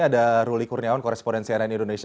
ada ruli kurniawan koresponen cnn indonesia